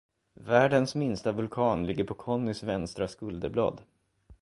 Världens minsta vulkan ligger på Connys vänstra skulderblad.